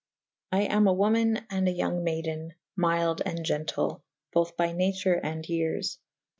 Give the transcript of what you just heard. I am a woman and a yonge mayden / mylde and gentyll / bothe by nature and yeres.